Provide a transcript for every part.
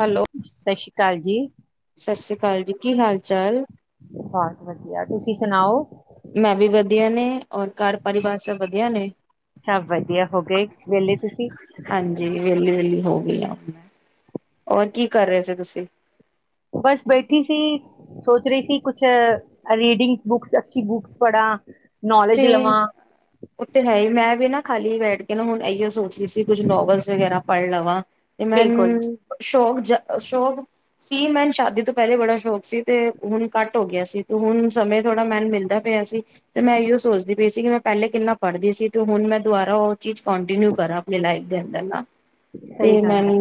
Hello, ਸਤਿ ਸ਼੍ਰੀ ਅਕਾਲ ਜੀ, ਸਤਿ ਸ੍ਰੀ ਅਕਾਲ ਜੀ ਕੀ ਹਾਲ ਚਾਲ ਬਸ ਵਧੀਆ ਤੁਸੀਂ ਸੁਣਾਓ ਮੈਂ ਵੀ ਵਧੀਆ ਨੇ, ਔਰ ਘਰ ਪਰਿਵਾਰ ਸਭ ਵਧੀਆ ਨੇ ਸਭ ਵਧੀਆ ਹੋ ਗਏ ਵੇਹਲੇ ਤੁਸੀਂ ਹੋਗੀ ਆਂ ਹੋਰ ਕੀ ਕਰ ਰਹੇ ਸੀ ਤੁਸੀਂ ਬਸ ਬੈਠੀ ਸੀ, ਸੋਚ ਰਹੀ ਸੀ ਕੁਛ ਰੀਡਿੰਗ ਬੁੱਕਸ ਅੱਛੀ ਬੁੱਕਸ ਪੜਾ ਤੇ ਓਤੇ ਹੈ ਹੀ ਮੈਂ ਵੀ ਨਾ ਖਾਲੀ ਬੈਠ ਕੇ ਨਾ ਹੁਣ ਇਹੀ ਸੋਚਦੀ ਸੀ ਕੁੱਝ ਨੋਵਲਸ ਵਗੈਰਾ ਪੜ੍ਹ ਲਵਾਂ ਤੇ ਬਿਲਕੁਲ ਮੈਂਨ ਸ਼ੋਕ ਸ਼ੌਕ ਸੀ ਮੈਂਨੂੰ ਸ਼ਾਦੀ ਤੋਂ ਪਹਿਲੇ ਬੜਾ ਸ਼ੌਕ ਸੀ ਤੇ ਹੁਣ ਘੱਟ ਹੋ ਗਿਆ ਸੀ, ਤੇ ਹੁਣ ਸਮੇਂ ਥੋੜ੍ਹਾ ਮੈਨੂੰ ਮਿਲਦਾ ਪਿਆ ਸੀ। ਤੇ ਮੈਂ ਇਹੀਓ ਸੋਚਦੀ ਪਈ ਸੀ ਕਿ ਮੈਂ ਪਹਿਲੇ ਕਿੰਨਾ ਪੜ੍ਹਦੀ ਸੀ ਤੇ ਹੁਣ ਮੈਂ ਦੁਬਾਰਾ ਉਹ ਚੀਜ਼ ਕੰਟੀਨਿਊ ਕਰਾਂ ਆਪਣੀ ਲਾਈਫ ਦੇ ਅੰਦਰ ਨਾ ਸਹੀ ਤੇ ਮੈਂ ਗੱਲ ਹੈ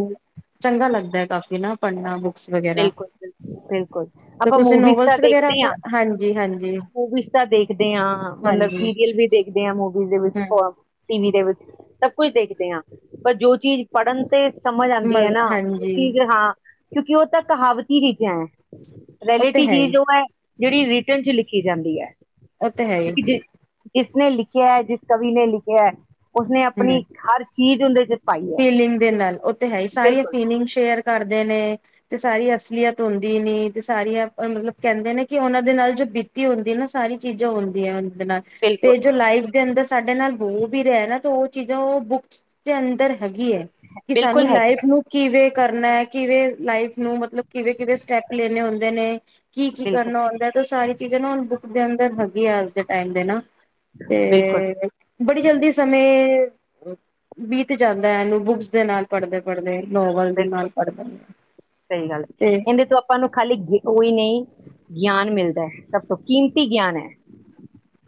ਚੰਗਾ ਲੱਗਦਾ ਹੈ ਕਾਫੀ ਨਾ ਪੜ੍ਹਨਾ ਬੁ ਬਿਲਕੁਲ-ਬਿਲਕੁਲ, ਬਿਲਕੁਲ ਤੇ ਆਪਾਂ ਤੁਸੀਂ ਮੂਵੀਜ਼ ਤਾਂ ਨੋਵਲਸ ਵਗੈਰਾ ਦੇਖਦੇ ਹਾਂ, ਹਾਂਜੀ ਹਾਂਜੀ ਮੂਵੀਜ਼ ਤਾਂ ਦੇਖ ਦੇਂ ਹਾਂ ਮਤਲਬ ਹਾਂਜੀ ਸੀਰੀਅਲ ਵੀ ਦੇਖਦੇ ਹਾਂ ਮੂਵੀ ਹੋਆ ਹਮ ਟੀਵੀ ਦੇ ਵਿੱਚ, ਸਭ ਕੁਝ ਦੇਖਦੇ ਆ ਪਰ ਜੋ ਚੀਜ਼ ਪੜ੍ਹਨ ਤੇ ਸਮਝ ਆਂਦੀ ਐ ਨਾ ਉਹ ਹਾਂਜੀ ਚੀਜ਼ ਹਾਂ। ਕਿਉਂਕਿ ਉਹ ਤਦ ਕਹਾਵਤੀ ਚੀਜ਼ਾਂ ਉਹ ਤੇ ਰੈਲੀਟੀ ਹੈ ਹੀ ਚੀਜ਼ ਉਹ ਐ ਜਿਹੜੀ ਰਿਟਰਨ ਚ ਲਿਖੀ ਜਾਂਦੀ ਐ। ਓ ਤੇ ਹੈ ਹੀ ਜਿਸਨੇ ਲਿਖਿਆ ਹੈ। ਜਿਸ ਕਵੀ ਨੇ ਲਿਖਿਆ ਹੈ। ਉਸਨੇ ਹਮ ਆਪਣੀ ਹਰ ਚੀਜ਼ ਹੁੰਦੇ ਜ ਫੀਲਿੰਗ ਦੇ ਨਾਲ ਉਹ ਤੇ ਹੈ ਹੀ ਸਾਰੀਆਂ ਫੀਲਿੰਗ ਸ਼ੇਅਰ ਕਰਦੇ ਨੇ। ਤੇ ਸਾਰੀ ਅਸਲੀਅਤ ਹੁੰਦੀ ਨੇ ਤੇ ਸਾਰੀਆਂ ਮਤਲਬ ਕਹਿੰਦੇ ਨੇ ਕਿ ਉਹਨਾਂ ਦੇ ਨਾਲ ਜੋ ਬੀਤੀ ਹੁੰਦੀ ਹੈ। ਨਾ ਸਾਰੀ ਚੀਜ਼ਾਂ ਹੁੰਦੀਆਂ ਨਾਲ ਤੇ ਜੋ ਬਿਲਕੁਲ ਲਾਈਫ ਦੇ ਅੰਦਰ ਸਾਡੇ ਨਾਲ ਬੋ ਵੀ ਰਿਹਾ ਨਾ ਤੇ ਉਹ ਚੀਜ਼ਾਂ ਉਹ ਬੁੱਕਸ ਦੇ ਅੰਦਰ ਹੈਗੀ ਹੈ ਕਿ ਬਿਲਕੁਲ ਸਾਨੂੰ ਲਾਈਫ ਹੈਗੀ ਨੂੰ ਕਿਵੇਂ ਕਰਨਾ ਕਿਵੇਂ ਲਾਈਫ ਨੂੰ ਮਤਲਬ ਕਿਵੇਂ ਕਿਵੇਂ ਸਟੈਪ ਲੈਣੇ ਹੁੰਦੇ ਨੇ ਕੀ ਕੀ ਬਿਲਕੁਲ ਕਰਨਾ ਹੁੰਦਾ ਤੇ ਸਾਰੇ ਇਹਦੇ ਨਾ ਹੁਣ ਬੁੱਕ ਦੇ ਅੰਦਰ ਹੈਗੀ ਆ ਅੱਜ ਦੇ ਟਾਈਮ ਦੇ ਨਾ ਬਿਲਕੁਲ ਤੇ ਬੜੀ ਜਲਦੀ ਸਮੇ ਵੀਹ ਤੇ ਜਾਂਦਾ ਇਹਨੂੰ ਬੁੱਕਸ ਦੇ ਨਾਲ ਪੜ੍ਹਦੇ ਪੜ੍ਹਦੇ ਲੋਵਲ ਦੇ ਬਿਲਕੁਲ ਨਾਲ ਪੜਦਾ ਆ ਸਹੀ ਗੱਲ ਇਹਿੰਦੇ ਤੋ ਆਪਾਂ ਨੂੰ ਖਾਲੀ ਉਹੀ ਨਹੀਂ ਗਿਆਨ ਮਿਲਦਾ ਹੈ। ਸਭ ਤੋਂ ਕੀਮਤੀ ਗਿਆਨ ਹੈ।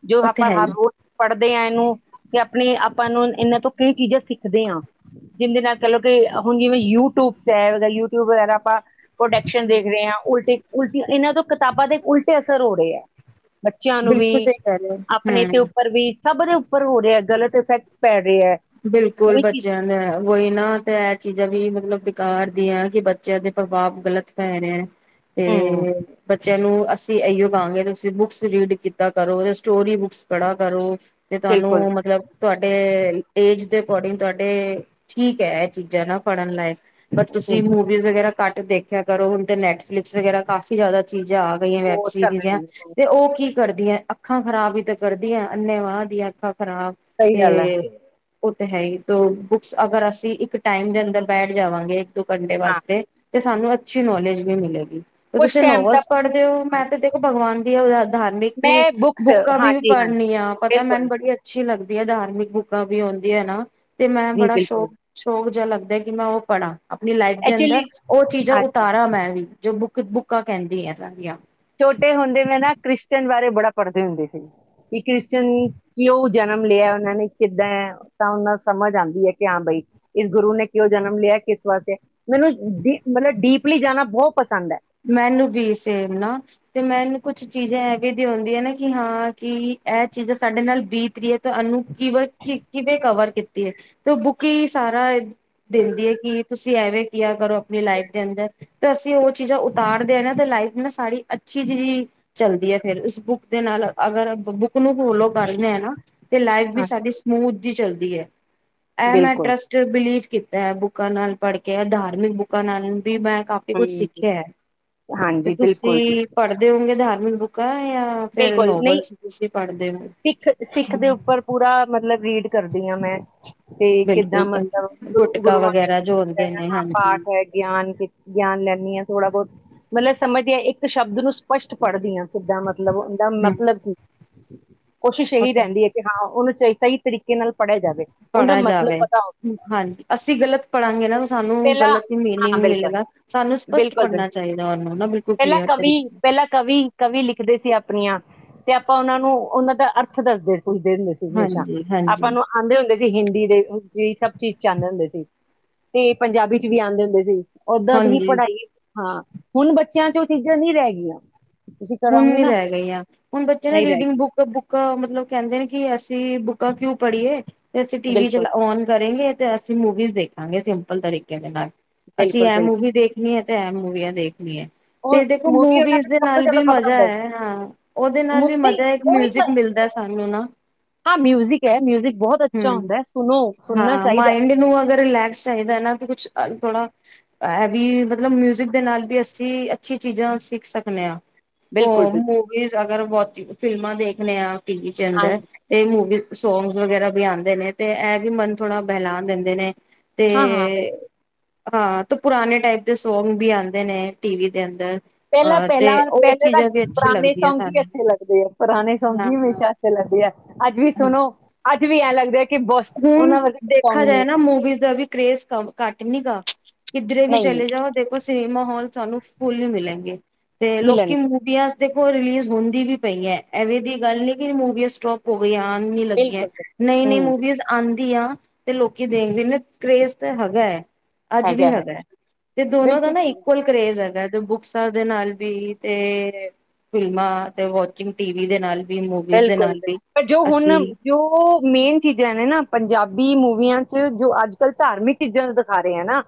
ਜੋ ਉਹ ਤੇ ਆਪਾਂ ਹੈ ਹਰ ਹੀ ਰੋਜ਼ ਪੜ੍ਹਦੇ ਹਾਂ ਇਹਨੂੰ ਤੇ ਆਪਣੇ ਆਪਾਂ ਨੂੰ ਇਹਨਾਂ ਤੋਂ ਕਈ ਚੀਜ਼ਾਂ ਸਿੱਖ ਦੇ ਹਾਂ ਜਿਹਦੇ ਨਾਲ ਕਹਿ ਲਓ ਕਿ ਹੁਣ ਜਿਵੇਂ ਯੂਟਿਊਬਸ ਹੈ। ਯੂ ਟਿਊਬ ਵਗੈਰਾ ਆਪਾਂ ਪ੍ਰੋਡਕਸ਼ਨ ਦੇਖ ਰਹੇ ਹਾਂ ਉਲਟੇ ਉਲਟੀ ਇਹਨਾਂ ਤੋਂ ਕਿਤਾਬਾਂ ਦੇ ਉਲਟੇ ਅਸਰ ਹੋ ਰਹੇ ਹੈ। ਬੱਚਿਆਂ ਨੂੰ ਵੀ ਬਿਲਕੁਲ ਸਹੀ ਕਹਿ ਰਹੇ ਹੋ ਆਪਣੇ ਤੇ ਹਮ ਉੱਪਰ ਵੀ ਸਭ ਦੇ ਉੱਪਰ ਹੋ ਰਿਹਾ ਗਲਤ ਇਫੈਕਟ ਪੈ ਰਿਹਾ ਹੈ ਬਿਲਕੁਲ ਉਹੀ ਚੀਜ਼ ਬੱਚਿਆਂ ਨੇ ਉਹੀ ਨਾ ਤੇ ਇਹ ਚੀਜ਼ਾਂ ਵੀ ਮਤਲਬ ਸਰਕਾਰ ਦੀਆਂ ਕਿ ਬੱਚਿਆਂ ਦੇ ਪ੍ਰਭਾਵ ਗ਼ਲਤ ਪੈ ਰਿਹਾ। ਤੇ ਹਮ ਬੱਚੇ ਬੱਚਿਆਂ ਨੂੰ ਅਸੀਂ ਇਹੀਓ ਕਹਾਂਗੇ ਤੁਸੀਂ ਬੁੱਕਸ ਰੀਡ ਕੀਤਾ ਕਰੋ ਸਟੋਰੀ ਬੁੱਕਸ ਪੜ੍ਹਾ ਕਰੋ। ਤੇ ਤੁਹਾਨੂੰ ਬਿਲਕੁਲ ਮਤਲਬ ਤੁਹਾਡੇ ਏਜ ਦੇ ਅਕੋਰਡਿੰਗ ਤੁਹਾਡੇ ਠੀਕ ਹੈ ਇਹ ਚੀਜ਼ਾਂ ਨਾ ਪੜਨ ਲਾਈਕ ਬਟ ਤੁਸੀਂ ਬਿਲਕੁਲ ਮੂਵੀਜ਼ ਵਗੈਰਾ ਘੱਟ ਦੇਖਿਆ ਕਰੋ, ਹੁਣ ਤੇ ਨੈੱਟਫਲਿਕਸ ਵਗੈਰਾ ਕਾਫ਼ੀ ਜ਼ਿਆਦਾ ਚੀਜ਼ਾਂ ਆ ਗਈਆਂ ਵੈਬ ਬਹੁਤ ਚੱਲ ਸੀਰੀਜ ਐ, ਰਹੀ ਹੈ ਤੇ ਉਹ ਕੀ ਕਰਦੀਆਂ ਅੱਖਾਂ ਖ਼ਰਾਬ ਹੀ ਤਾਂ ਕਰਦੀਆਂ, ਅੰਨੇ ਵਾਹ ਦੀਆਂ ਅੱਖਾਂ। ਖਰਾਬ ਸਹੀ ਤੇ ਗੱਲ ਹੈ ਉਹ ਤੇ ਹੈ ਹੀ ਬੁੱਕਸ ਅਗਰ ਅਸੀਂ ਇੱਕ ਟਾਈਮ ਦੇ ਅੰਦਰ ਬੈਠ ਜਾਵਾਂਗੇ ਦੋ ਘੰਟੇ ਹਾਂ ਵਾਸਤੇ ਤੇ ਸਾਨੂੰ ਅੱਛੀ ਨੌਲੇਜ ਵੀ ਮਿਲੇਗੀ। ਤੇ ਕੁਛ ਤੁਸੀਂ ਟਾਈਮ ਨੋਵਲਸ ਤੱਕ ਪੜ੍ਹਦੇ ਹੋ ਨੈਟ ਤੇ, ਕੇ ਭਗਵਾਨ [inaudible] ਧਾਰਮਿਕ ਮੈਂ ਬੁੱਕਸ ਬੁੱਕਾਂ ਵੀ ਹਾਂਜੀ ਹਾਂਜੀ ਪੜ੍ਹਨੀ ਆ, ਪਤਾ ਮੈਨੂੰ ਬਿਲਕੁਲ ਬੜੀ ਅੱਛੀ ਲੱਗਦੀ ਧਾਰਮਿਕ ਬੁੱਕਾਂ ਵੀ ਹੁੰਦੀ ਵਧੀਆ ਨਾ ਤੇ ਮੈਂ ਜੀ ਬੜਾ ਬਿਲਕੁਲ ਸ਼ੌਕ ਸ਼ੋਕ ਜਿਹਾ ਲੱ ਦੇ, ਕਿ ਮੈਂ ਉਹ ਪੜਾ। ਆਪਣੀ ਲਾਈਫ ਦੇ ਅੰਦਰ ਐਕਚੁਲੀ ਉਹ ਚੀਜ਼ਾਂ ਅੱਛਾ ਉਤਾਰਾਂ ਮੈਂ ਵੀ ਜੋ ਬੁੱਕ, ਬੁੱਕਾਂ ਕਹਿੰਦੇ ਹੈ ਸਾਰੀਆਂ। ਛੋਟੇ ਹੁੰਦੇ ਮੈਂ ਨਾ ਕ੍ਰਿਸਟੀਅਨ ਬਾਰੇ ਮੈਂ ਬੜਾ ਪੜ੍ਹਦੀ ਹੁੰਦੀ ਸੀ, ਕਿ ਕ੍ਰਿਸਟੀਅਨ ਕਿਉਂ ਜਨਮ ਲਿਆ ਉਹਨਾਂ ਨੇ, ਕਿੱਦਾਂ ਤਾਂ ਉਹ ਨੂੰ ਸਮਝ ਆਉਂਦੀ ਹੈ, ਕਿ ਹਾਂ ਬਾਈ ਇਸ ਗੁਰੂ ਨੇ ਕਿਉਂ ਜਨਮ ਲਿਆ ਕਿਸ ਵਾਸਤੇ। ਮੈਨੂੰ ਡੀ ਮਤਲਬ ਡੀਪਲੀ ਜਾਣਾ ਬਹੁਤ ਪਸੰਦ ਹੈ। ਮੈਨੂੰ ਵੀ ਸੇਮ ਨਾ, ਤੇ ਮੈਨੂੰ ਕੁਛ ਚੀਜ਼ਾਂ ਐਵੇਂ ਦੀਆਂ ਹੁੰਦੀਆਂ ਨੇ ਆ ਨਾ ਕਿ ਹਾਂ ਕਿ ਇਹ ਚੀਜ਼ਾਂ ਸਾਡੇ ਨਾਲ ਬੀਤ ਰਹੀ ਹੈ ਤੇ ਇਹਨੂੰ ਕਿਵੇਂ ਕਿਵੇਂ ਕਵਰ ਕੀਤੀ ਹੈ, ਤੇ ਉਹ ਬੁੱਕ ਹੀ ਸਾਰਾ ਦਿੰਦੀ ਹੈ ਕਿ ਤੁਸੀਂ ਐਵੇਂ ਕਿਆ ਕਰੋ ਆਪਣੀ ਲਾਈਫ ਦੇ ਅੰਦਰ, ਤਾਂ ਅਸੀਂ ਉਹ ਚੀਜ਼ਾਂ ਉਤਾਰਦੇ ਆ ਨਾ ਤੇ ਲਾਈਫ ਨਾ ਸਾਰੀ ਅੱਛੀ ਚੀਜ਼ ਚੱਲਦੀ ਹੈ, ਫੇਰ ਇਸ ਬੁੱਕ ਦੇ ਨਾਲ, ਅਗਰ ਬੱਕ ਨੂੰ ਫੋਲੋ ਕਰਦੇ ਆ ਨਾ, ਤੇ ਲਾਈਫ ਵੀ ਹਾਂ। ਸਾਡੀ ਸਮੂਥ ਜੀ ਚੱਲਦੀ ਹੈ। ਐ ਮੈਂ ਬਿਲਕੁਲ ਟਰੱਸਟ ਬਿਲੀ ਕੀਤਾ ਹੈ, ਬੁੱਕਾਂ ਨਾਲ ਪੜ੍ਹ ਕੇ, ਧਾਰਮਿਕ ਬੁੱਕਾਂ ਨਾਲ ਵੀ ਮੈਂ ਕਾਫ਼ੀ ਕੁਛ ਸਿੱਖਿਆ ਕਯਾ ਹੈ। ਹਾਂਜੀ ਬਿਲਕੁਲ ਬਿੱਲ ਬੁੱਕ ਐ। ਬਿਲਕੁਲ ਨਹੀਂ ਹੋ? ਸਿੱਖ ਸਿੱਖ ਦੇ ਉੱਪਰ ਪੂਰਾ ਮਤਲਬ ਰੀਡ ਕਰਦੀ ਆਂ, ਮੈਂ। ਤੇ ਬਿਲਕੁਲ ਕਿੱਦਾਂ ਚੰਗੀ ਮਤਲਬ ਗੱਲ ਗੁਰੂ ਗੁਟਕਾ ਗੁਰੂਆਂ ਨੇ ਵਗੈਰਾ ਜੋ ਹੁੰਦੇ ਕੀਤਾ ਨੇ ਹਾਂ ਹਾਂਜੀ। ਪਾਠ ਹੈ ਗਿਆਨ, ਗਿਆਨ ਲੈਨੀ ਆਂ। ਥੋੜਾ ਬਹੁਤ ਮਤਲਬ ਸਮਝਦੀ ਹਾਂ ਇੱਕ ਸ਼ਬਦ ਨੂੰ ਸਪਸ਼ਟ ਪੜ੍ਹਦੀ ਹਾਂ, ਸਿੱਧਾਂ। [unintelligible] ਮਤਲਬ ਉਹਦਾ ਮਤਲਬ ਕੀ [unintelligible] ਕੋਸ਼ਿਸ਼ ਇਹੀ ਅਤੇ ਰਹਿੰਦੀ ਹੈ ਕਿ ਹਾਂ ਉਹਨੂੰ [unintelligible] ਸਹੀ ਤਰੀਕੇ ਨਾਲ ਪੜਿਆ [unintelligible] ਪੜ੍ਹਿਆ ਜਾਵੇ ਹਾਂਜੀ ਅਸੀਂ ਗਲਤ ਪੜਾਂਗੇ ਨਾ ਸਾਨੂੰ ਪਹਿਲਾਂ ਗਲਤ ਹੀ ਮੀਨਿੰਗ ਹਾਂ ਬਿਲਕੁਲ ਮਿਲੇਗਾ ਸਾਨੂੰ ਸਪਸ਼ਟ ਬਿਲਕੁਲ ਬਿਲਕੁਲ ਪੜ੍ਹਨਾ ਚਾਹੀਦਾ ਉਹਨੂੰ ਨਾ ਬਿਲਕੁਲ ਪਹਿਲਾਂ ਕਲੀਅਰ ਕਵੀ ਤਰੀਕੇ ਨਾਲ ਪਹਿਲਾਂ ਕਵੀ ਕਵੀ [unintelligible] ਆਪਣੀਆਂ ਤੇ ਆਪਾਂ ਉਹਨਾਂ ਨੂੰ ਉਹਨਾਂ ਦਾ ਅਰਥ ਦੱਸਦੇ [inaudible] ਫੁੱਲਦੇ ਹੁੰਦੇ ਸੀ ਹਮੇਸ਼ਾ ਹਾਂਜੀ-ਹਾਂਜੀ, ਆਪਾਂ ਨੂੰ ਆਉਂਦੇ ਹੁੰਦੇ [unintelligible] ਹਿੰਦੀ ਦੇ ਸਭ ਚੀਜ਼ ਚ ਆਉਂਦੇ ਹੁੰਦੇ ਸੀ ਤੇ ਪੰਜਾਬੀ ਚ ਵੀ ਆਉਂਦੇ ਹੁੰਦੇ ਸੀ [unintelligible] ਓਦਾਂ ਦੀ ਹੀ ਹਾਂਜੀ ਹਾਂਜੀ। ਪੜ੍ਹਾਈ [unintelligible] ਹਾਂ ਹੁਣ ਬੱਚਿਆਂ ਚ ਉਹ ਚੀਜ਼ਾਂ ਨਹੀਂ ਰਹਿ ਗਈਆਂ ਤੁਸੀਂ [unintelligible] ਹੁਣ ਕਰਾਓਗੇ ਨੀ ਨਾ ਰਹਿ ਗਈ ਆ ਹੁਣ ਬੱਚੇ ਨਾ ਨਹੀਂ ਰਹਿ ਰੀਡਿੰਗ ਗਈ ਬੁੱਕ ਬੁੱਕ ਮਤਲਬ ਕਹਿੰਦੇ ਨੇ ਕਿ ਅਸੀਂ ਬੁ [unintelligible] ਕਿਉਂ ਪੜੀਏ [unintelligible] ਤੇ ਅਸੀਂ ਟੀ ਵੀ ਚ ਬਿਲਕੁਲ ਨ ਕਰੇਗੇ ਤੇ ਅਸੀਂ ਮੂਵੀਜ਼ ਦੇਖ [unintelligible] ਸਾਂਗੇ ਸ ਸਿੰਪਲ ਤਰੀਕੇ ਦੇ ਲ [unintelligible] ਅਸੀਂ ਬਿਲਕੁਲ ਇਹ ਬਿਲਕੁਲ ਮੂਵੀ ਦੇਖਣੀ ਹੈ ਤੇ ਐ ਮੂਵੀਆਂ ਦੇਖ [inaudible] ਜੀ [unintelligible] ਤੇ ਔਰ ਦੇਖੋ ਮੂੰ ਮੂਵੀ ਵੀ ਉਹਨਾਂ ਦਾ ਇਸਦੇ ਸਭ ਤੋਂ ਨਾਲ [unintelligible] ਵੀ ਜ਼ਿਆਦਾ ਪਤਾ ਮਜ਼ਾ ਹੁੰਦਾ ਹੈ ਹਾਂ ਉਹਦੇ ਨਾਲ ਵੀ ਮੁੱਦੇ ਮਜ਼ਾ ਇੱਕ ਉਹ ਮਿਊਜਿਕ ਮਿਲਦਾ ਸਾਨੂੰ ਨਾ ਹਾਂ ਮਿਊਜ਼ਿਕ ਹੈ ਮਿਊਜ਼ਿਕ ਬਹੁਤ ਅੱਛਾ ਹਮ ਹੁੰਦਾ ਹੈ ਸੁਣੋ ਸੁਣਨਾ ਹਾਂ ਚਾਹੀਦਾ ਹੈ ਮਾਇੰਡ ਨੂੰ ਅਗਰ ਰਿਲੈਕਸ ਚਾਹੀਦਾ ਨਾ ਕੁਛ [inaudible] ਥੋੜਾ [unintelligible] ਵੀ ਮਤਲਬ ਮਿਊਜਿਕ ਦੇ ਨਾਲ [unintelligible] ਵੀ ਅਸੀਂ ਅੱਛੀ ਚੀਜ਼ਾਂ ਸਿੱਖ ਸਕਦੇ ਹਾਂ [unintelligible] ਹੋ ਬਿਲਕੁਲ ਬਿਲਕੁਲ ਮੂਵੀਜ਼ ਅਗਰ ਬਹੁ [unintelligible] ਫਿਲਮਾਂ ਦੇਖਣੇ ਆ [unintelligible] ਟੀ ਵੀ ਚ ਆਉਦਾ ਹਾਂਜੀ ਤੇ ਮੂਵੀ [unintelligible] ਸੌਂਗਸ ਵਗੈਰਾ ਵੀ ਆਉਂਦੇ ਨੇ ਤੇ ਇਹ ਵੀ ਮਨ ਥੋੜਾ ਬਹਿਲਾਾਨ ਦਿੰਦੇ ਨੇ [unintelligible] ਤੇ ਹਾਂ ਹਾਂ [unintelligible] ਹਾਂ ਤੇ ਪੁਰਾਣੇ ਟਾਈਪ ਦੇ ਸੌਂਗ ਵੀ ਆਉਂਦੇ ਨੇ ਟੀ ਵੀ ਦੇ ਅੰਦਰ [unintelligible] ਪਹਿਲਾਂ ਅਹ ਤੇ ਉਹ ਪਹਿਲਾਂਹਿ ਤਾਂ ਚੀਜ਼ਾਂ ਵੀ ਅੱਛੀ ਪੁਰਾਣੇ ਲੱਗਦੀਆਂ ਸੌਂਗ ਹੀ ਸਾਨੂੰ ਅੱਛੇ ਲੱਗਦੇ ਆ ਪੁਰਾਣੇ ਸੌਂਗ ਹਾਂ ਵੀ ਹਮੇਸ਼ਾ ਅੱਛੇ ਲੱਗਦੇ ਆ ਅੱਜ ਵੀ ਹਾਂ ਸੁਣੋ ਅੱਜ ਵੀ ਐਂ ਲੱਗਦਾ ਕਿ ਬਸ ਹੁਣ ਉਹਨਾਂ ਵਰਗੇ ਕੋਈ ਦੇਖਾ ਸੌਂਗ ਜਾਏ ਨਹੀਂ ਨਾ ਹੈ ਮੂਵੀਜ਼ ਦਾ ਵੀ ਕਰੇਜ ਘੱਟ ਇਨੀ ਕਾ ਕਿੱਧਰੇ ਵੀ ਨਹੀਂ ਚਲੇ ਜਾਓ ਦੇਖੋ ਸਿਨੇਮਾ ਹਾਲ ਸਾਨੂੰ ਫੁੱਲ ਹੀ ਮਿਲਣਗੇ ਤੇ ਲੋਕੀ ਮਿਲਣਗੇ ਮੂਵੀਆਂ ਦੇਖੋ ਰਿਲੀਜ਼ ਹੁੰਦੀ ਵੀ ਪਈ ਹੈ ਐਵੇਂ ਦੀ ਗੱਲ ਨੀ ਕਿ ਮੂਵੀਆਂ ਸਟੋਪ ਹੋ ਗਈਆਂ ੀ ਲੱਗੀਆਂ ਬਿਲਕੁਲ ਨਈ ਨਈ ਹੂੰ ਮੂਵੀਜ਼ ਆਦੀ ਆ ਤੇ ਲੋਕੀ ਦੇਖਦੇਦੇ ਕਰੇਜ਼ ਤਾਂ ਹੈਗਾ ਹੈ ਅੱਜ ਵੀ ਹੈਗਾ ਹੈ ਤੇ ਦੋਨੋ ਦਾ ਬਿਲਕੁਲ ਨਾ ਸਹੀ ਹੈ ਇਕੁਅਲ ਕਰੇਜ ਹੈਗਾ ਬੁਕਸਾਂ ਦੇ ਨਾਲ ਵੀ ਤੇ ਫਿਲਮਾਂ ਤੇ ਵਾਚਿੰਗ ਟੀਵ ਦੇ ਨਾਲ ਵੀ ਮੂਵੀਜ਼ ਦੇ ਬਿਲਕੁਲ ਨਾਲ ਵੀ ਬਿਲਕੁਲ ਪਰ ਜੋ ਹੁਣ ਅਸੀਂ ਜੋ ਮੇਨ ਚੀਜ਼ਾਂ ਨੇ ਨਾ ਪੰਜਾਬੀ ਮੂਵੀਆਂ ਚ ਜੋ ਅੱਜ ਕੱਲ੍ਹ ਧਾਰਮਿਕ ਚੀਜ਼ਾਂ ਦਿਖਾ ਰਹੇ ਹੈ ਨਾ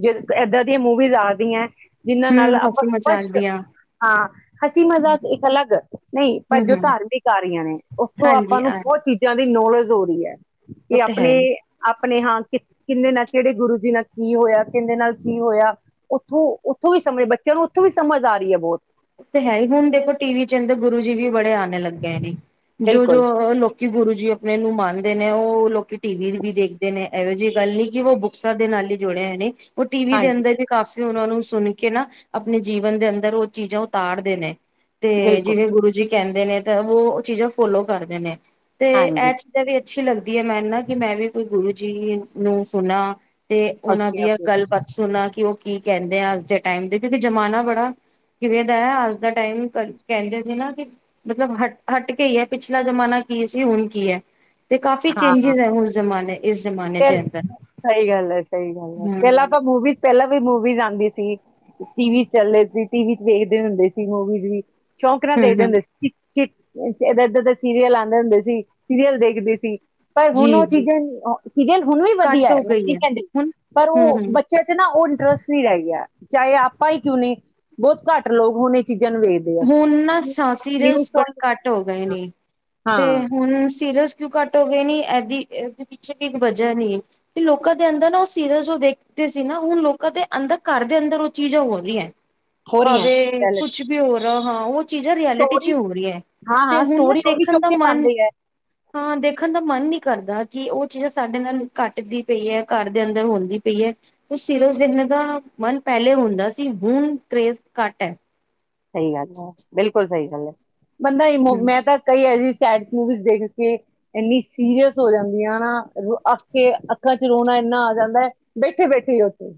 ਜ ਇੱਦਾਂ ਦੀਆਂ ਮੂਵੀਜ਼ ਆਦੀਆਂ ਜਿੰਨਾਂ ਨਾਲ ਹੂੰ ਆਪਾਂ ਹਸੀ ਮਜ਼ਾਕ ਸਪਸ਼ਟ ਦੀਆਂ ਹਾਂ ਹਸੀ ਮਜ਼ਾਕ ਇੱਕ ਅਲੱਗ ਨਹੀਂ ਭ ਜੋ ਹੂੰ-ਹੂੰ, ਧਾਰਮਿਕ ਆ ਰਹੀਆਂ ਨੇ ਉੱਥੋਂ ਆਪਾਂ ਹਾਂਜੀ ਨੂੰ ਆ ਬਹੁਤ ਚੀਜ਼ਾਂ ਦੀ ਨੌਲੇਜ ਹੋ ਰਹੀ ਹੈ ਕੀ ਉਹ ਤੇ ਹੈ ਆਪਣੇ ਹੀ। ਆਪ ਆਪਣੇ ਹਾਂ ਕਿ ਕਿਹਦੇ ਨਾਲ ਕਿਹੜੇ ਗੁਰੂ ਜੀ ਨਾਲ ਕੀ ਹੋਇਆ ਕਿਹਿੰਦੇ ਨਾਲ ਕੀ ਹੋਇਆ ਉੱਥੋਂ ਉੱਥੋਂ ਵੀ ਸਮਝ ਬੱਚਿਆਂ ਨੂੰ ਉੱਥੋਂ ਵੀ ਸਮਝ ਆ ਰਹੀ ਹੈ ਬਹੁਤ ਤੇ ਹੈ ਹੀ ਹੁਣ ਦੇਖੋ ਟੀ ਵੀ ਚ ਗੁਰੂ ਜੀ ਵੀ ਬੜੇ ਆਣੇ ਲੱਗੇ ਨੇ ਜੋ ਜੋ ਬਿਲਕੁਲ ਲੋਕੀ ਗੁਰੂ ਜੀ ਆਪਣੇ ਨੂੰ ਮਾਨਦੇ ਨੇ ਉਹ ਲੋਕੀ ਟੀ ਵੀ ਵੀ ਦੇਖਦੇ ਨੇ ਇਹੋ ਜਿਹੀ ਗੱਲ ਨਹੀਂ ਕਿ ਉਹ ਬੁੱਕਸਾਂ ਦੇ ਨਾਲ ਹੀ ਜੁੜੇ ਨੇ ਉਹ ਟੀ ਵੀ ਦੇ ਹਾਂਜੀ ਅੰਦਰ ਜ ਕਾਫੀ ਉਹਨਾਂ ਨੂੰ ਸੁਣ ਕੇ ਨਾ ਆਪਣੇ ਜੀਵਨ ਦੇ ਅੰਦਰ ਉਹ ਚੀਜ਼ਾਂ ਤਾੜਦੇ ਨੇ ਤੇ ਬਿਲਕੁਲ ਜਿਵੇਂ ਗੁਰੂ ਜੀ ਕਹਿੰਦੇ ਨੇ ਤਾਂ ਉਹ ਚੀਜ਼ਾਂ ਫੋਲੋ ਕਰਦੇ ਨੇ ਤੇ ਇਹ ਹਾਂਜੀ ਚੀਜ਼ਾਂ ਵੀ ਅੱਛੀ ਲੱਗਦੀ ਹੈ ਮੈਨੂੰ ਨਾ ਕਿ ਮੈਂ ਵੀ ਕੋਈ ਗੁਰੂ ਜੀ ਨੂੰ ਸੁਣਾ ਤੇ ਉਹਨਾਂ ਓਕੇ ਦੀਆਂ ਓਕੇ ਗੱਲ ਬਾਾਤ ਸੁਣ ਕਿ ਉਹ ਕੀ ਕਹਿੰਦੇ ਆ ਅੱਜ ਦੇ ਟਾਈਮ ਦੇ ਕਿਉਂਕਿ ਜਮਾਨਾ ਬੜਾ ਕਿਵੇਂ ਅੱਜ ਦਾ ਟਾਈਮ ਕਹਿੰਦੇ ਸੀ ਨਾ ਕਿ ਮਤਲਬ ਹ ਹਟ ਕੇ ਹੀ ਹੈ ਪਿਛਲਾ ਜਮਾਨਾ ਕੀ ਸੀ ਹੁਣ ਕੀ ਹੈ ਤੇ ਕਾਫ਼ੀ ਹਾਂ ਚੇਂਜਿਸ ਹੈ ਉਸ ਜ਼ਮਾਨੇ ਇਸ ਜ਼ਮਾਨੇ ਚ ਅੰਦਰ ਸਹੀ ਗੱਲ ਹੈ ਸਹੀ ਗੱਲ ਹੈ ਪਹਿਲਾਂ ਹਮ ਆਪਾਂ ਮੂਵੀਜ਼ ਪਹਿਲਾਂ ਵੀ ਮੂਵੀਜ਼ ਆਉਂਦੀ ਸੀ ਟੀਵੀ ਚ ਚੱਲਦੇ ਸੀ ਟੀਵ ਚ ਵੇਖਦੇ ਹੁੰਦੇ ਸੀ ਮੂਵੀਜ਼ ਵੀ ਚੌਕਰਾਂ ਹਮ ਦੇਖਦੇ ਹਮ ਹੁੰਦੇ ਚ ਇਦਾ-ਇਦਾ ਦੇ ਸੀਰੀਅਲ ਆਂਦੇ ਹੁੰਦੇ ਸੀ, ਸੀਰੀਅਲ ਦੇਖਦੇ ਸੀ। ਪਰ ਜੀ ਹੁਣ ਉਹ ਜੀ ਚੀਜ਼ਾਂ ਣ-ਓ ਸੀਰੀਅਲ ਹੁਣ ਵੀ ਘੱਟ ਵਧੀਆ ਹੈ ਹੋ ਮੈ ਗਈ ਨੀ ਕੈਂਦੀ, ਹੁਣ ਪਰ ਹਮ ਉਹ ਹਮ ਬੱਚਿਆਂ ਚ ਨਾ ਉਹ ਇੰਟਰਸਟ ਨੀ ਰਹਿ ਗਿਆ। ਚਾਹੇ ਆਪਾਂ ਹੀ ਕਿਉਂ ਨੀ, ਬਹੁਤ ਘੱਟ ਲੋਕ ਹੁਣ ਚੀਜ਼ਾਂ ਨੂੰ ਵੇਖਦੇ ਆ। ਹੁਣ ਨਾ ਨਿਊ ਸਾ-ਸੀਰੀਅਲਸ ਬੜੇ ਸੌਗ ਘੱਟ ਹੋ ਗਏ ਨੇ, ਤੇ ਹਾਂ ਹੁਣ ਸੀਰੀਅਸ ਘੱਟ ਹੋ ਗਏ ਨੇ ਇਹਦੀ-ਇਹਦੇ ਪਿੱਛੇ ਵਜ੍ਹਾ ਵੀ ਏ, ਲੋਕਾਂ ਦੇ ਅੰਦਰ ਨਾ ਉਹ ਸੀਰੀਲ ਜੋ ਦੇਖਦੇ ਸੀ ਨਾ ਹੁਣ ਲੋਕਾਂ ਦੇ ਅੰਦਰ ਘਰ ਦੇ ਅੰਦਰ ਉਹ ਚੀਜ਼ਾਂ ਹੋ ਰਹੀਆਂ। ਹੋ ਰਹੀ ਹੈ, ਭਾਵੇ ਕੁਛ ਹਾਂ ਉਹ ਚੀਜ਼ਾਂ ਰਿਐਲਿਟੀ ਚ ਸਟੋਰੀ ਹੋ ਰਹੀ ਹੈ, ਹਾਂ ਤੇ ਹਾਂ ਹੁਣ ਨਾ ਸਟੋਰੀ ਉਹੀ ਦੇਖਣ ਚੁੱਕ ਦਾ ਕੇ ਮਨ ਪਾਉਂਦੇ ਹੈ। ਹਾਂ ਦੇਖਣ ਦਾ ਮਨ ਨਹੀਂ ਕਰਦਾ ਕਿ ਉਹ ਚੀਜ਼ਾਂ ਸਾਡੇ ਨਾਲ ਘੱਟਦੀ ਪਈ ਹੈ ਘਰ ਦੇ ਅੰਦਰ ਹੁੰਦੀ ਪਈ ਹੈ, ਉਹ [unintelligible] ਦਾ ਮਨ ਪਹਿਲੇ ਹੁੰਦਾ ਸੀ ਹੁਣ ਕਰੇਜ਼ ਘੱਟ ਹੈ। ਸਹੀ ਗੱਲ ਹੈ, ਬਿਲਕੁਲ ਸਹੀ ਗੱਲ ਹੈ। ਬੰਦਾ ਇਮੋ, ਹਮ ਮੈਂ ਤਾਂ ਕਈ ਐਹੋ ਜੀ ਸੈਡ ਮੂਵੀਜ਼ ਦੇਖ ਕੇ ਇੰਨੀ ਸੀਰੀਅਸ ਹੋ ਜਾਂਦੀ ਨਾ ਅਖ ਚ-ਅੱਖਾਂ ਚ ਰੋਣਾ ਇੰਨਾ ਆ ਜਾਂਦਾ ਹੈ ਬੈਠੇ ਬੈਠੇ ਹੀ ਉੱਥੇ।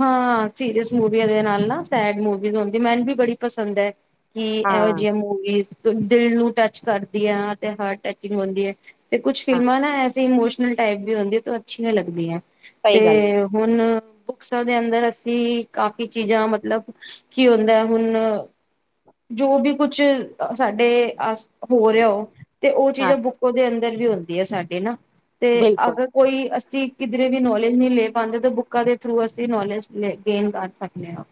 ਹਾਂ ਸੀਰਿਯਸ ਮੂਡ ਇਦੇ ਨਾਲ ਨਾ, ਸੈਡ ਮੂਵੀਜ਼ ਹੁੰਦੀ ਮੈਨ ਵੀ ਬੜੀ ਪਸੰਦ ਹੈ। ਕਿ ਇਹੋ ਹਾਂ ਜੀਆ ਮੂਵੀਜ਼ ਦਿਲ ਨੂੰ ਟੱਚ ਕਰਦੀਆ ਤੇ ਹਰਟ ਟਚਿੰਗ ਹੁੰਦੀ ਹੈ। ਤੇ ਕੁੱਛ ਹਾਂ ਫਿਲਮਾਂ ਨਾ ਐਸੀ ਇਮੋਸ਼ਨ ਟਾਈਪ ਦੀ ਹੁੰਦੀ ਤੇ ਉਹ ਅੱਛੀਆਂ ਲੱਗਦੀਆਂ। ਤੇ ਸਹੀ ਗੱਲ ਹੈ ਹੁਣ ਬੁੱਕਸਾਂ ਦੇ ਅੰਦਰ ਅਸੀਂ ਕਾਫੀ ਚੀਜ਼ਾਂ ਮਤਲਬ ਕੀ ਹੁੰਦਾ ਹੁਣ, ਜੋ ਵੀ ਕੁਛ ਅ-ਸਾਡੇ ਆਸ ਹੋ ਰਿਹਾ ਹੋ ਤੇ ਉਹ ਹਾਂ ਚੀਜ਼ਾਂ ਬੁੱਕਾ ਦੇ ਅੰਦਰ ਇਧਰ ਵੀ ਹੁੰਦੀ ਹੈ ਆ ਸਾਡੇ ਨਾ। ਤੇ ਬਿਲਕੁਲ ਅਗਰ ਕੋਈ ਅਸੀਂ ਕਿਧਰੇ ਵੀ ਨੌਲੇਜ ਨਹੀਂ ਲੈ ਪਾਂਦੇ ਤੇ ਬੁੱਕਾਂ ਦੇ ਥਰੂ ਅਸੀਂ ਨੌਲੇਜ ਲ-ਗੇਨ ਕਰ ਸਕਦੇ ਹਾਂ।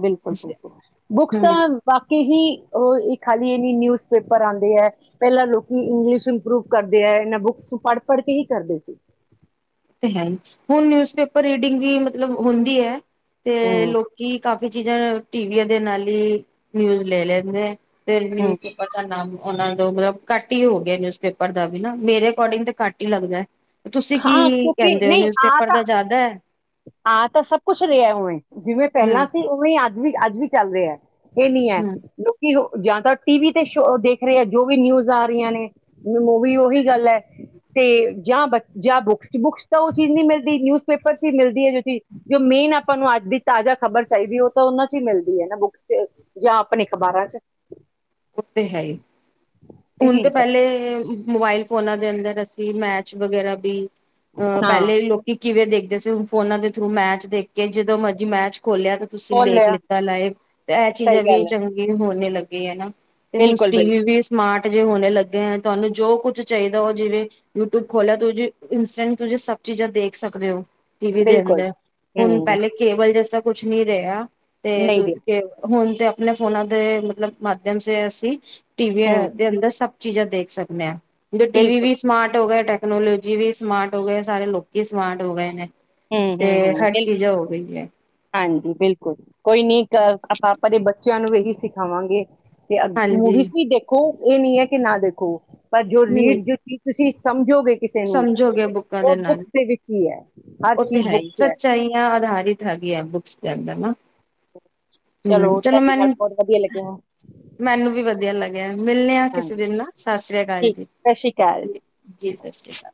ਬਿਲਕੁਲ-ਬਿਲਕੁਲ। ਬੁੱਕਸ ਤਾਂ ਹਮ ਵਾਕੇ ਹੀ ਉਹ ਇੱਕ ਖਾਲੀ ਇਹਨੀ ਨਿਊਜ਼ ਪੇਪਰ ਆਦੇ ਹੈ, ਪਹਿਲਾਂ ਲੋਕੀ ਇੰਗਲਿਸ਼ ਇੰਪਰੂਵ ਕਰਦੇ ਹੈ, ਇਹਨਾਂ ਬੁੱਕਸ ਨੂੰ ਪੜ੍ਹ-ਪੜ੍ਹ ਕੇ ਹੀ ਕਰਦੇ ਸੀ। ਤੇ ਹੈ ਹੀ, ਹੁਣ ਨਿਊਜ਼ਪੇਪਰ ਰੀਡਿੰਗ ਵੀ ਮਤਲਬ ਹੁੰਦੀ ਹੈ। ਤੇ ਹਮ ਲੋਕੀ ਕਾਫੀ ਚੀਜ਼ਾਂ ਨ ਟੀਵੀਆਂ ਦੇ ਨਾਲ ਹੀ ਨਿਊਜ ਲੈ ਲੈਂਦੇ ਹੈਂ। ਫਿਰ ਹਮ ਨਿਊਜ਼ਪੇਪਰ ਦਾ ਨਾਮ ਉਹਨਾ ਤੋ ਮਤਲਬ ਘੱਟ ਹੀ ਹੋ ਗਿਆ ਨਿਊਜ਼ਪੇਪਰ ਦਾ ਵੀ ਨਾ, ਮੇਰੇ ਅਕੋਰਡਿੰਗ ਤੇ ਘੱਟ ਹੀ ਲੱਗਦਾ। ਤੁਸੀਂ ਕੀ ਕਿ ਕਹਿੰਦੇ ਹੋ ਨਹੀਂ ਆ ਨਿਊਜ਼ਪੇਪਰ ਤਾਂ ਦਾ ਜ਼ਿਆਦਾ ਹੈ ਆ ਤਾਂ ਸਭ ਕੁਛ ਰਿਹਾ ਉਵੇਂ ਜਿਵੇਂ ਪਹਿਲਾਂ ਹੂੰ ਸੀ ਉਵੇਂ ਅੱਜ ਵੀ ਅੱਜ ਵੀ ਚੱਲ ਰਿਹਾ। ਇਹ ਨੀ ਹੈ। ਹੂੰ ਲੋਕੀ ਜਾਂ ਤਾਂ ਟੀ ਵੀ ਤੇ ਸ਼ੋ ਦੇਖ ਰਹੇ ਆ ਜੋ ਵੀ ਨਿਊਜ਼ ਆ ਰਹੀਆਂ ਨੇ ਮੂਵੀ ਉਹੀ ਗੱਲ ਹੈ ਤੇ ਜਾਂ ਬੱਚੇ ਜਾ ਬੁਕਸ ਬੁਕਸ ਤਾਂ ਚ ਓ ਚੀਜ ਨੀ ਮਿਲਦੀ ਨਊਜ ਪੇਪਰ ਚ ਹੀ ਮਿਲਦੀ ਹੈ ਜੋ ਜੋ ਮੇਨ ਆਪਾਂ ਨੂੰ ਅੱਜ ਦੀ ਤਾਜ਼ਾ ਖਬਰ ਚਾਹੀਦੀ ਹੈ ਉਹ ਤਾਂ ਉਹਨਾਂ ਚ ਹੀ ਮਿਲਦੀ ਹੈ ਨਾ ਬੁੱਕਸ ਚ ਜਾਂ ਆਪਣੇ ਅਖ਼ਬਾਰਾਂ ਚ। ਉਹ ਤੇ ਹੈ ਹੀ ਇਹ ਹੁਣ ਤਾਂ ਚੀਜ਼ ਫਰਕ ਪਹਿਲੇ ਮੋਬਾਇਲ ਫੋਨਾਂ ਦੇ ਅੰਦਰ ਅਸੀਂ ਮੈਚ ਵਗੈਰਾ ਵੀ ਅਹ ਹਾਂ ਪਹਿਲੇ ਲੋਕੀ ਕਿਵੇਂ ਦੇਖਦੇ ਸੀ ਹੁਣ ਫੋਨਾਂ ਦੇ ਥਰੂ ਮੈਚ ਦੇਖ ਕੇ ਜਦੋਂ ਮਰਜੀ ਮੈਚ ਖੋਲਿਆ ਤੇ ਤੁਸੀਂ ਬੋਲ ਲੇਖ ਲਿਆ ਲਿੱਤਾ ਲਾਇਵ ਤੇ ਇਹ ਸਹੀ ਚੀਜ਼ਾਂ ਵੀ ਗੱਲ ਹੈ ਚੰਗੀ ਹੋਣੀ ਲੱਗੇ ਆ ਨਾ ਤੇ ਹੁਣ ਬਿਲਕੁਲ ਟੀਵੀ ਬਿਲਕੁਲ ਵੀ ਸਮਾਰਟ ਜ ਹੋਣੇ ਲੱਗੇ ਹੈ ਤੁਹਾਨੂੰ ਜੋ ਕੁਛ ਚਾਹੀਦਾ ਉਹ ਜਿਵੇਂ ਯੂਟਿਊਬ ਖੋਲਿਆ ਤੁ ਇੰਸਟੈਂਟ ਤੁਸੀਂ ਸਭ ਚੀਜ਼ਾਂ ਦੇਖ ਸਕਦੇ ਹੋ। ਟੀਵੀ ਦੇ ਬਿਲਕੁਲ ਅੰਦਰ ਹੁਣ ਹੂੰ ਪਹਿਲੇ ਕੇਬਲ ਜੈਸਾ ਕੁਛ ਨੀ ਰਿਹਾ। ਤੇ ਨਹੀਂ ਤੂ ਦੇ ਹੁਣ ਤੇ ਆਪਣੇ ਫੋਨਾਂ ਦੇ ਮਤਲਬ ਦੇ ਅਸੀਂ ਟੀਵੀ ਹੂੰ ਦੇ ਅੰਦਰ ਸਭ ਚੀਜ਼ਾਂ ਦੇਖ ਸਕਦੇ ਹਾਂ ਟੀ ਬਿਲਕੁਲ ਵੀ ਸਮਾਰਟ ਹੋ ਗਿਆ ਟੈਕਨੋਲੋਜੀ ਵੀ ਸਮਾਰਟ ਹੋ ਗਏ ਸਾਰੇ ਲੋਕੀ ਸਮਾਰਟ ਹੋ ਗਏ ਨੇ। ਹੂੰ ਤੇ ਹੂੰ ਹੂੰ ਹਰ ਬਿਲਕੁਲ ਚੀਜ਼ ਹੋ ਗਈ ਹੈ। ਹਾਂਜੀ ਬਿਲਕੁਲ ਕੋਈ ਨੀ ਅ ਆਪਾਂ ਆਪਾਂ ਦੇ ਬੱਚਿਆਂ ਨੂੰ ਇਹੀ ਸਿਖਾਵਾਂਗੇ। ਤੇ ਹਾਂਜੀ ਮੂਵੀਜ਼ ਵੀ ਦੇਖੋ ਇਹ ਨੀ ਹੈ ਕਿ ਨਾ ਦੇਖੋ। ਪਰ ਜੋ ਨਹੀਂ ਲੀਡ ਜੋ ਚੀਜ਼ ਤੁਸੀਂ ਸਮ ਝੋਗੇ ਕਿਸੇ ਨੂੰ ਸਮਝੋਗੇ ਉਹ ਬੁੱਕਸ ਦੇ ਵਿੱਚ ਹੀ ਹੈ। ਹਰ ਓ ਤੇ ਚੀਜ਼ ਹੈ ਹੀ ਬੁੱਕਸ ਸੱਚਾਈਆਂ ਅਧਾਰਿਤ ਹੈਗੀ ਆ ਬੁੱਕਸ। ਜਾਦਾ ਨਾ ਹੂੰ ਚਲੋ ਤੁਹਾਡੇ ਨਾਲ ਮੈਨ ਬਹੁਤ ਵਧੀਆ ਲੱਗਿਆ ਮੈਨੂੰ ਵੀ ਵਧੀਆ ਲੱਗ ਮਿਲਣੇ ਆਾਂ ਕਿਸੇ ਹਾਂਜੀ ਦਿਨ ਨਾਲ ਸਤਿ ਸ੍ਰੀ ਅਕਾਲ ਠੀਕ ਜੀ, ਸਤਿ ਸ਼੍ਰੀ ਅਕਾਲ ਜੀ ਸਤਿ ਸ਼੍ਰੀ ਅਕਾਲ।